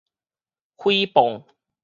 毀謗